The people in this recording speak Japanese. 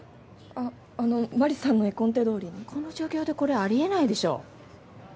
あっあのマリさんの絵コンテどおりにこの状況でこれありえないでしょ